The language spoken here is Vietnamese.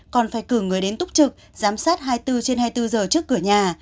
còn phải cử người đến túc trực giám sát hai mươi bốn trên hai mươi bốn giờ trước cửa nhà